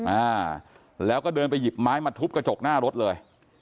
อ่าแล้วก็เดินไปหยิบไม้มาทุบกระจกหน้ารถเลย